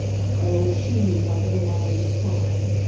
Oh, she knew why little Molly was crying!